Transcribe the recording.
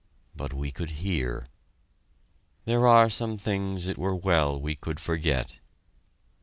but we could hear... There are some things it were well we could forget!